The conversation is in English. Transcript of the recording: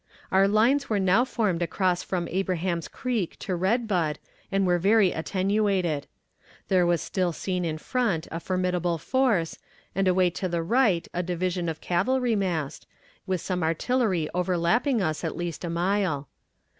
Our lines were now formed across from Abraham's Creek to Red Bud, and were very attenuated. There was still seen in front a formidable force, and away to the right a division of cavalry massed, with some artillery overlapping us at least a mile.